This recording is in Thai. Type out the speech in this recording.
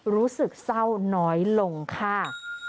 รู้สึกเศร้าน้อยลงค่ะ